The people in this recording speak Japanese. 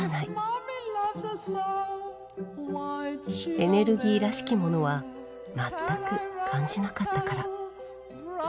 エネルギーらしきものは全く感じなかったから。